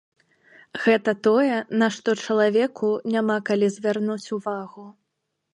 Гэта тое, на што чалавеку няма калі звярнуць увагу.